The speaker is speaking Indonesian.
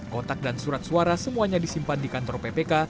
kotak dan surat suara semuanya disimpan di kantor ppk